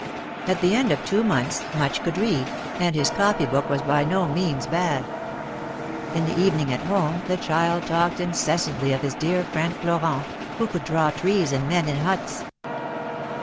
At the end of two months. Much could read, and his copy book was by no means bad. In the evening, at home, the child talked incessantly of his dear friend Florent, who could draw trees and men in huts.